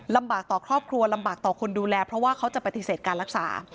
ลำบากต่อครอบครัวลำบากต่อคนดูแลเพราะว่าเขาจะปฏิเสธการรักษา